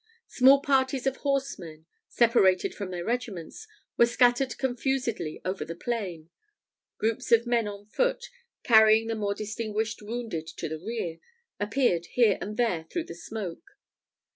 Small parties of horsemen, separated from their regiments, were scattered confusedly over the plain. Groups of men on foot, carrying the more distinguished wounded to the rear, appeared here and there through the smoke.